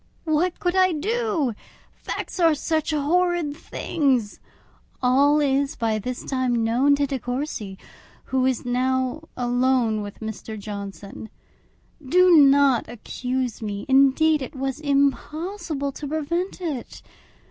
What could I do! Facts are such horrid things! All is by this time known to De Courcy, who is now alone with Mr. Johnson. Do not accuse me; indeed, it was impossible to prevent it.